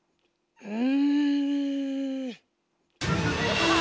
うん。